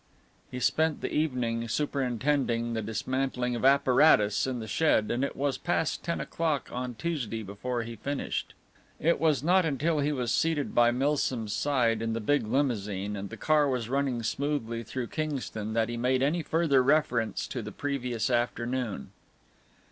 He spent the evening superintending the dismantling of apparatus in the shed, and it was past ten o'clock on Tuesday before he finished. It was not until he was seated by Milsom's side in the big limousine and the car was running smoothly through Kingston that he made any further reference to the previous afternoon.